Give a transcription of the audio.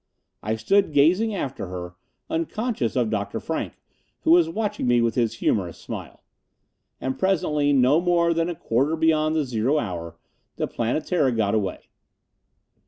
I stood gazing after her, unconscious of Dr. Frank, who was watching me with his humorous smile. And presently, no more than a quarter beyond the zero hour, the Planetara got away.